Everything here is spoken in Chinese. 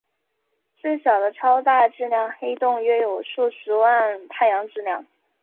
最小的超大质量黑洞约有数十万太阳质量。